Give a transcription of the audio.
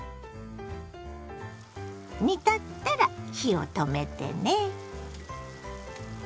煮立ったら火を止めてね。